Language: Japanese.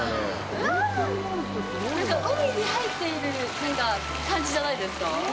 なんか海に入っている感じじゃないですか？